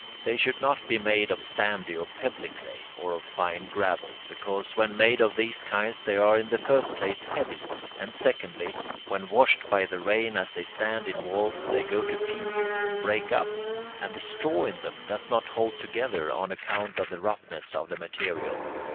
They should not be made of sandy or pebbly clay, or of fine gravel, because when made of these kinds they are in the first place heavy; and, secondly, when washed by the rain as they stand in walls, they go to pieces and break up, and the straw in them does not hold together on account of the roughness of the material.